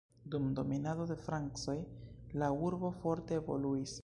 Dum dominado de francoj la urbo forte evoluis.